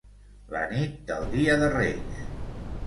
La nit del dia de Reis.